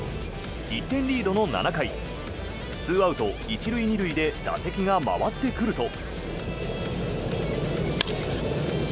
１点リードの７回２アウト１塁２塁で打席が回ってくると。